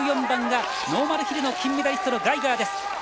１４番がノーマルヒルの金メダリストのガイガーです。